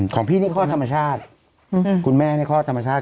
ของพี่นี่คลอดธรรมชาติคุณแม่นี่คลอดธรรมชาติ